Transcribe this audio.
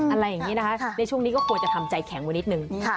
อะไรอย่างนี้นะคะในช่วงนี้ก็ควรจะทำใจแข็งไว้นิดนึง